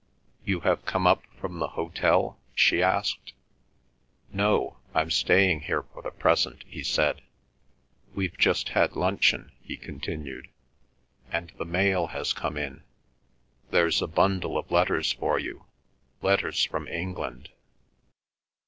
"You have come up from the hotel?" she asked. "No; I'm staying here for the present," he said. "We've just had luncheon," he continued, "and the mail has come in. There's a bundle of letters for you—letters from England."